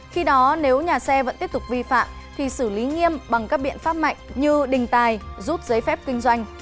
khi đó nếu nhà xe vẫn tiếp tục vi phạm thì xử lý nghiêm bằng các biện pháp mạnh như đình tài rút giấy phép kinh doanh